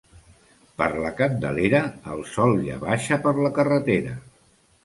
Per la Candelera el sol ja baixa per la carretera.